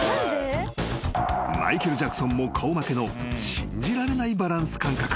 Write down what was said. ［マイケル・ジャクソンも顔負けの信じられないバランス感覚］